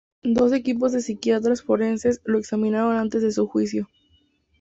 Dos equipos de psiquiatras forenses lo examinaron antes de su juicio.